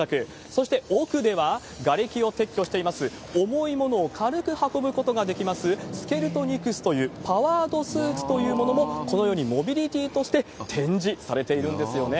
そして、奥ではがれきを撤去しています、重いものを軽く運ぶことができます、スケルトニクスというパワードスーツというものも、このようにモビリティとして展示されているんですよね。